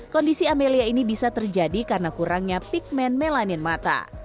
kondisi amelia ini bisa terjadi karena kurangnya pigment melanin mata